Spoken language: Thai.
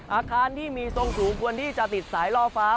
อาคารที่มีทรงสูงควรที่จะติดสายล่อฟ้า